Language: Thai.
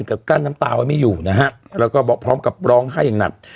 กับกั้นน้ำตาไว้ไม่อยู่นะฮะแล้วก็พร้อมกับร้องไห้อย่างหนัก